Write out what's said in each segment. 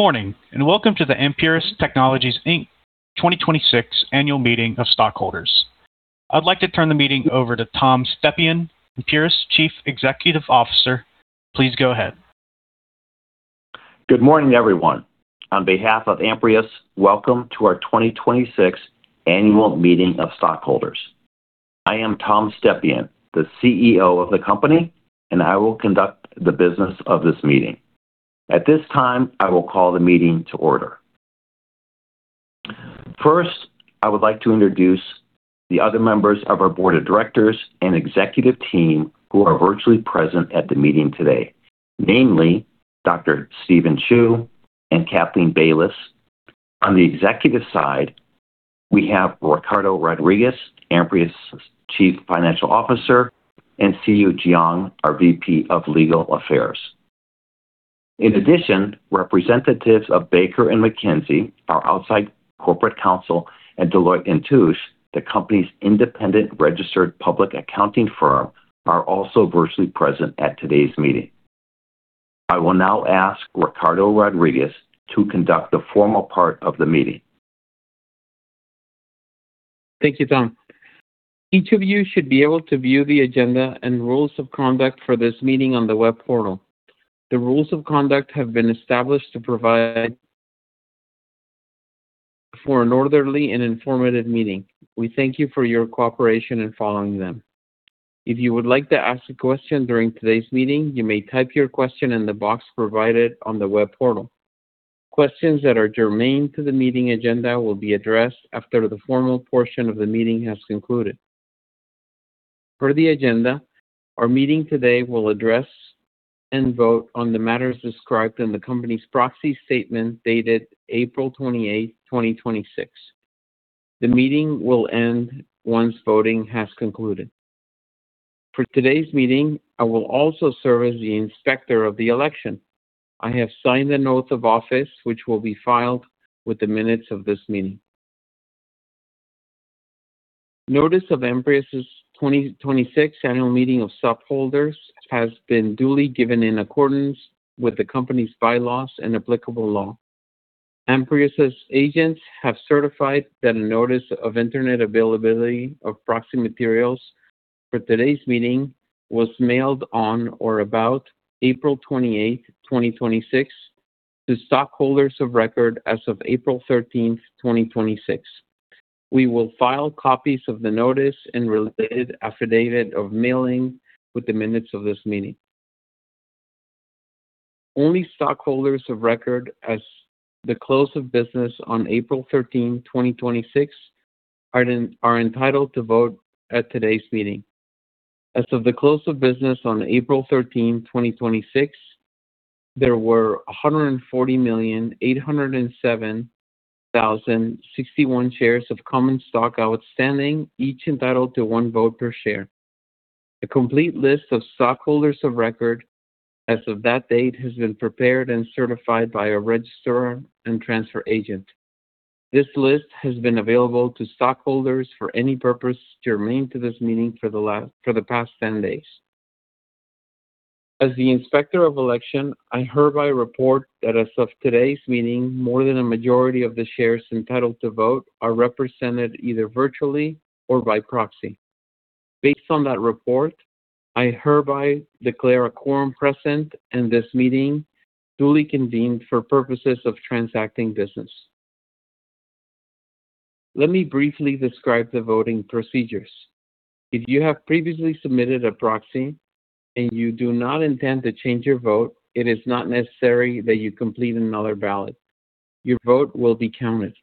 Good morning, and welcome to the Amprius Technologies, Inc. 2026 Annual Meeting of Stockholders. I'd like to turn the meeting over to Tom Stepien, Amprius Chief Executive Officer. Please go ahead. Good morning, everyone. On behalf of Amprius, welcome to our 2026 Annual Meeting of Stockholders. I am Tom Stepien, the CEO of the company. I will conduct the business of this meeting. At this time, I will call the meeting to order. First, I would like to introduce the other members of our Board of Directors and executive team who are virtually present at the meeting today, namely Dr. Steven Chu and Kathleen Bayless. On the executive side, we have Ricardo Rodriguez, Amprius' Chief Financial Officer, and Siyu Jiang, our VP of Legal Affairs. In addition, representatives of Baker McKenzie, our outside corporate counsel, and Deloitte & Touche, the company's independent registered public accounting firm, are also virtually present at today's meeting. I will now ask Ricardo Rodriguez to conduct the formal part of the meeting. Thank you, Tom. Each of you should be able to view the agenda and rules of conduct for this meeting on the web portal. The rules of conduct have been established to provide for an orderly and informative meeting. We thank you for your cooperation in following them. If you would like to ask a question during today's meeting, you may type your question in the box provided on the web portal. Questions that are germane to the meeting agenda will be addressed after the formal portion of the meeting has concluded. Per the agenda, our meeting today will address and vote on the matters described in the company's proxy statement dated April 28th, 2026. The meeting will end once voting has concluded. For today's meeting, I will also serve as the Inspector of the Election. I have signed an oath of office, which will be filed with the minutes of this meeting. Notice of Amprius' 2026 Annual Meeting of Stockholders has been duly given in accordance with the company's bylaws and applicable law. Amprius' agents have certified that a notice of internet availability of proxy materials for today's meeting was mailed on or about April 28th, 2026 to stockholders of record as of April 13th, 2026. We will file copies of the notice and related affidavit of mailing with the minutes of this meeting. Only stockholders of record as the close of business on April 13th, 2026, are entitled to vote at today's meeting. As of the close of business on April 13th, 2026, there were 140,807,061 shares of common stock outstanding, each entitled to one vote per share. A complete list of stockholders of record as of that date has been prepared and certified by a registrar and transfer agent. This list has been available to stockholders for any purpose germane to this meeting for the past 10 days. As the Inspector of Election, I hereby report that as of today's meeting, more than a majority of the shares entitled to vote are represented either virtually or by proxy. Based on that report, I hereby declare a quorum present and this meeting duly convened for purposes of transacting business. Let me briefly describe the voting procedures. If you have previously submitted a proxy and you do not intend to change your vote, it is not necessary that you complete another ballot. Your vote will be counted.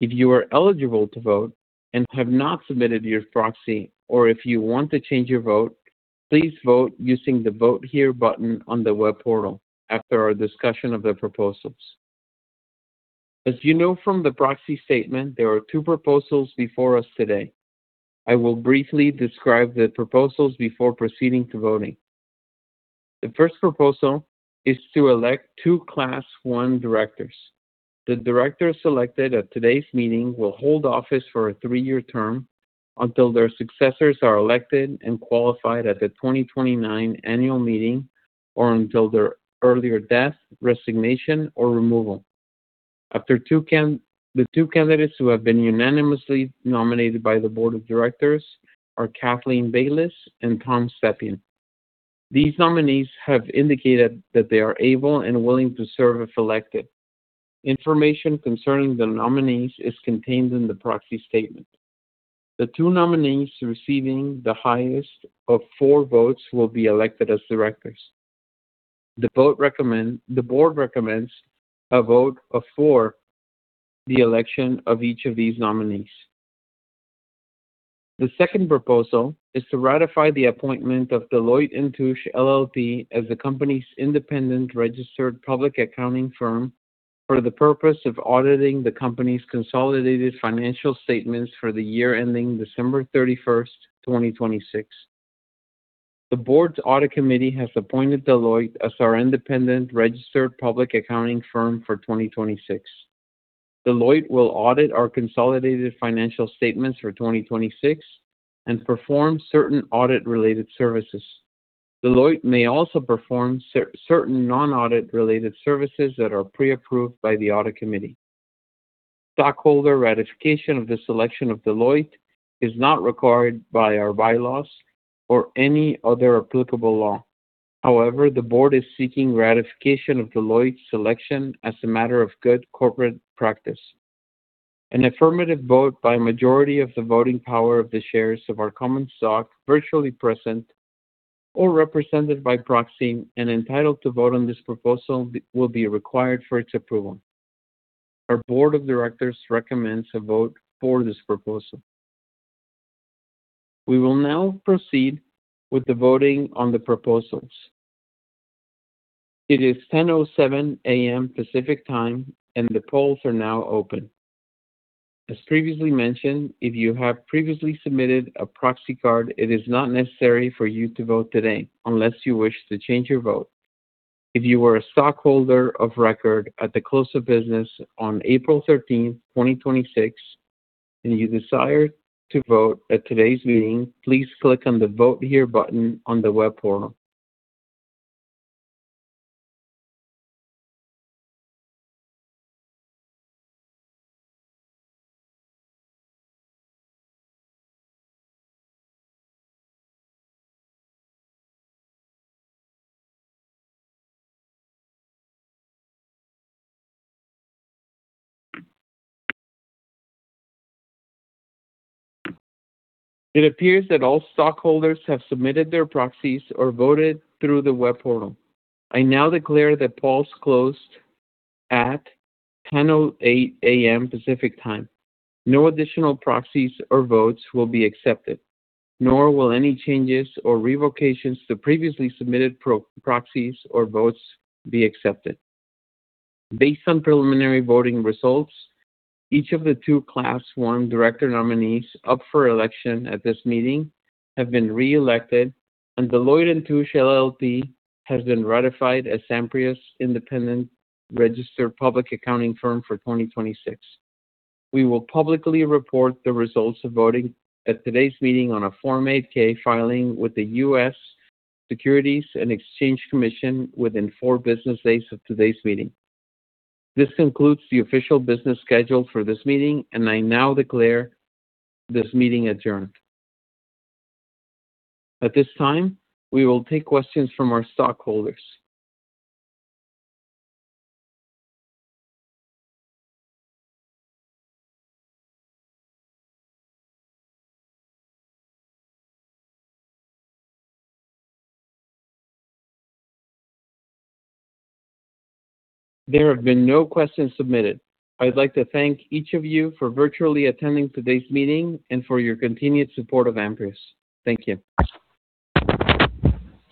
If you are eligible to vote and have not submitted your proxy, or if you want to change your vote, please vote using the Vote Here button on the web portal after our discussion of the proposals. As you know from the proxy statement, there are two proposals before us today. I will briefly describe the proposals before proceeding to voting. The first proposal is to elect two Class I directors. The directors selected at today's meeting will hold office for a three-year term until their successors are elected and qualified at the 2029 annual meeting or until their earlier death, resignation, or removal. The two candidates who have been unanimously nominated by the board of directors are Kathleen Bayless and Tom Stepien. These nominees have indicated that they are able and willing to serve if elected. Information concerning the nominees is contained in the proxy statement. The two nominees receiving the highest of four votes will be elected as directors. The Board recommends a vote of for the election of each of these nominees. The second proposal is to ratify the appointment of Deloitte & Touche LLP as the company's independent registered public accounting firm for the purpose of auditing the company's consolidated financial statements for the year ending December 31st, 2026. The Board's audit committee has appointed Deloitte as our independent registered public accounting firm for 2026. Deloitte will audit our consolidated financial statements for 2026 and perform certain audit-related services. Deloitte may also perform certain non-audit related services that are pre-approved by the audit committee. Stockholder ratification of the selection of Deloitte is not required by our bylaws or any other applicable law. However, the Board is seeking ratification of Deloitte's selection as a matter of good corporate practice. An affirmative vote by a majority of the voting power of the shares of our common stock virtually present or represented by proxy and entitled to vote on this proposal will be required for its approval. Our Board of directors recommends a vote for this proposal. We will now proceed with the voting on the proposals. It is 10:07 A.M. Pacific Time, the polls are now open. As previously mentioned, if you have previously submitted a proxy card, it is not necessary for you to vote today unless you wish to change your vote. If you were a stockholder of record at the close of business on April 13th, 2026, and you desire to vote at today's meeting, please click on the Vote Here button on the web portal. It appears that all stockholders have submitted their proxies or voted through the web portal. I now declare that polls closed at 10:08 A.M. Pacific Time. No additional proxies or votes will be accepted, nor will any changes or revocations to previously submitted proxies or votes be accepted. Based on preliminary voting results, each of the two Class I director nominees up for election at this meeting have been reelected, and Deloitte & Touche LLP has been ratified as Amprius independent registered public accounting firm for 2026. We will publicly report the results of voting at today's meeting on a Form 8-K filing with the U.S. Securities and Exchange Commission within four business days of today's meeting. This concludes the official business schedule for this meeting, and I now declare this meeting adjourned. At this time, we will take questions from our stockholders. There have been no questions submitted. I'd like to thank each of you for virtually attending today's meeting and for your continued support of Amprius. Thank you.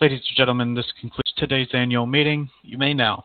Ladies and gentlemen, this concludes today's annual meeting. You may now disconnect.